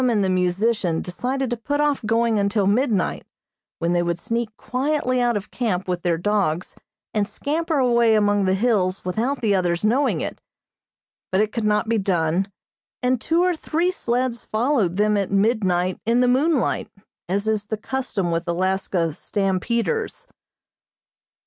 and the musician decided to put off going until midnight, when they would sneak quietly out of camp with their dogs and scamper away among the hills without the others knowing it, but it could not be done, and two or three sleds followed them at midnight in the moonlight, as is the custom with Alaska "stampeders."